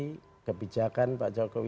mendukung full pemerintahan pak jokowi